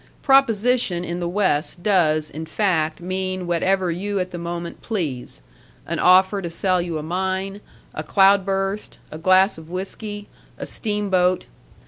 Proposition in the West does, in fact, mean whatever you at the moment please, an offer to sell you a mine, a cloud burst, a glass of whiskey, a steamboat.